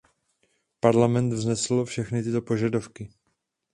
Parlament vznesl všechny tyto požadavky.